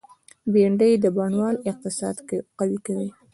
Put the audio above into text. بېنډۍ د بڼوال اقتصاد قوي کوي